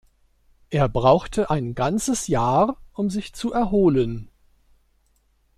Er brauchte ein ganzes Jahr, um sich zu erholen.